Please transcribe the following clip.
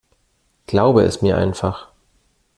Glaube es mir einfach.